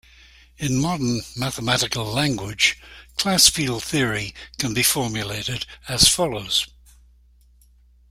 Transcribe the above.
In modern mathematical language class field theory can be formulated as follows.